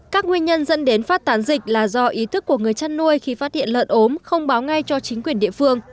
các nguyên nhân dẫn đến phát tán dịch là do ý thức của người chăn nuôi khi phát hiện lợn ốm không báo ngay cho chính quyền địa phương